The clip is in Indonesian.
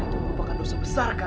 karena itu merupakan dosa besar kak